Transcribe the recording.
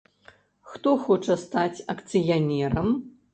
Хто хоча стаць акцыянерам?